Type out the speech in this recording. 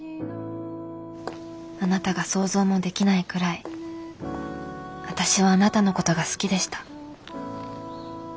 あなたが想像もできないくらい私はあなたのことが好きでした。